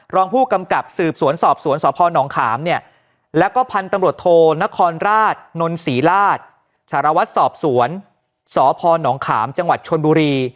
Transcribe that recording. รองผู้กำกับสืบสวนสอบสวนสพนขามเนี่ยแล้วก็พันธุ์ตำรวจโทนครราชนนศรีราชสารวัตรสอบสวนสพนขามจังหวัดชนบุรี